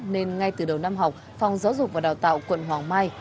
nên ngay từ đầu năm học phòng giáo dục và đào tạo quận hoàng mai